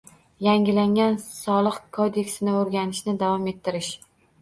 Yangilangan Soliq kodeksini o'rganishni davom ettirish